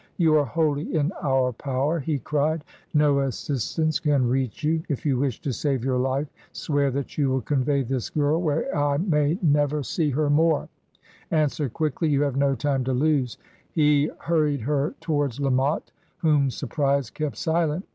'You are wholly in our power,' he cried. 'No assistance can reach you; if you wish to save your life swear that you will convey this girl where I may never 85 Digitized by VjOOQIC HEROINES OF FICTION see her more. ... Answer qtiickly; you have no time to lose/ He ... hurried her towards La Motte^ whom surprise kept silent.